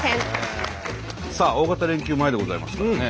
さあ大型連休前でございますからね。